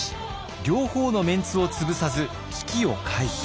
両方のメンツを潰さず危機を回避。